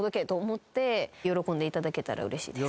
喜んでいただけたらうれしいです。